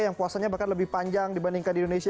yang puasanya bahkan lebih panjang dibandingkan di indonesia